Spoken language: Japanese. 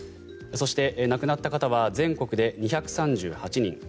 そして、亡くなった方は全国で２３８人。